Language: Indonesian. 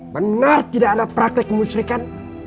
benar tidak ada praktek kemuncurikan